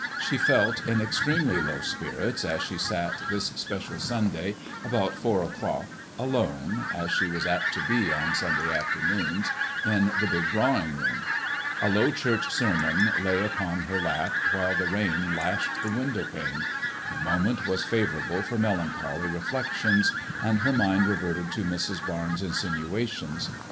She felt in MAD£MOISKLL£ IXK. 93 extremely low spirits as she sat this special Sunday, about four o'clock, alone, as she was apt to be left on Sunday afternoons, in the big drawing room. A Low Church sermon lay upon her lap, while the rain lashed the window pane. The moment was favourable for melancholy re flections, and her mind reverted to Mrs. Barnes' insinuations.